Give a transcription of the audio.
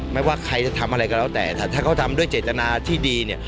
ไม่ว่าใครจะทำอะไรก็แล้วแต่ถ้าเขาทำด้วยเจตนาที่ดีเนี่ย